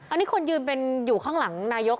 อันนี้คนยืนเป็นอยู่ข้างหลังนายก